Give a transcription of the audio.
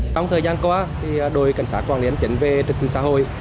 trong thời gian qua đội cảnh sát quảng liên chấn về trực tư xã hội